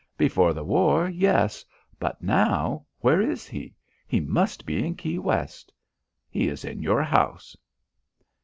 "Before the war yes. But now where is he he must be in Key West?" "He is in your house."